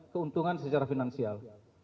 keuntungan secara finansial